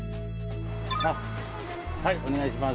はいお願いします。